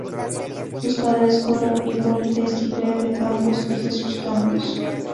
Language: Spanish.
Sus padres fueron Hipólita Esquivel de Campos y Jesús Campos.